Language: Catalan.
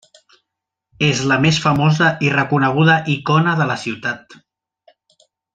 És la més famosa i reconeguda icona de la ciutat.